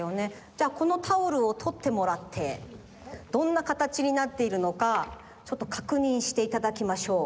じゃあこのタオルをとってもらってどんなかたちになっているのかちょっとかくにんしていただきましょう。